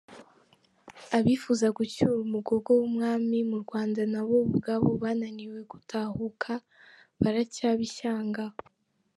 -Abifuza gucyura umugogo w’Umwami mu Rwanda nabo ubwabo bananiwe gutahuka baracyaba ishyanga